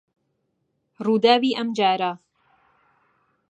ڕووداوی ئەم جارە